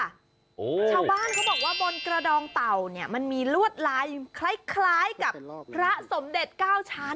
ชาวบ้านเขาบอกว่าบนกระดองเต่าเนี่ยมันมีลวดลายคล้ายกับพระสมเด็จ๙ชั้น